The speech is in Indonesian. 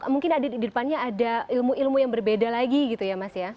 mungkin di depannya ada ilmu ilmu yang berbeda lagi gitu ya mas ya